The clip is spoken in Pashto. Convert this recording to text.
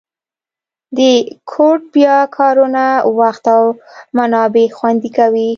د کوډ بیا کارونه وخت او منابع خوندي کوي.